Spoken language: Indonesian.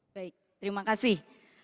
baik terima kasih